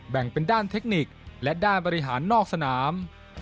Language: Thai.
แบ่งเป็นด้านเทคนิคและด้านบริหารนอกสนาม